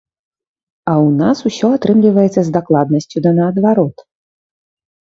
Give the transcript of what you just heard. А ў нас ўсё атрымліваецца з дакладнасцю да наадварот.